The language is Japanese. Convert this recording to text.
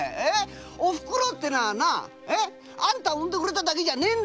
お袋ってのはあんたを産んでくれただけじゃねえんだ。